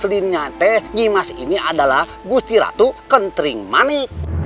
selain nyate nyi mas ini adalah gusti ratu kentring mani